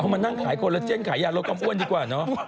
เอามานั่งขายโคลเจนขายยาลงกล้อมอ้วนดีกว่าเนอะ